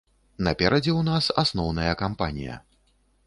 Наперадзе ў нас асноўная кампанія.